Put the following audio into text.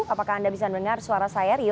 apakah anda bisa dengar suara saya rio